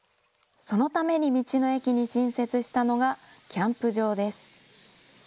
そのために道の駅に新設したのがキャンプ場です。